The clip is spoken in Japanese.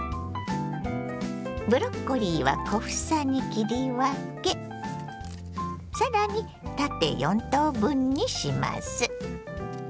ブロッコリーは小房に切り分け更に縦４等分にします。